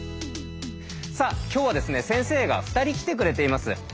さあ今日は先生が２人来てくれています。